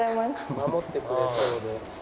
「守ってくれそうで素敵」。